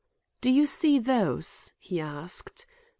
"Do you see those?" he asked.